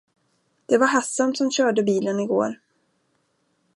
Det var Hassan som körde bilen igår.